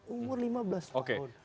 umur lima belas tahun